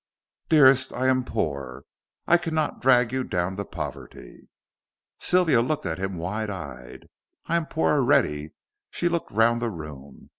"Dearest, I am poor, I cannot drag you down to poverty." Sylvia looked at him wide eyed. "I am poor already." She looked round the room.